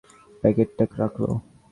টেবিলের উপর সিগারেটের প্যাকেটটা রাখল।